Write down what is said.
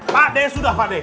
pakde sudah pakde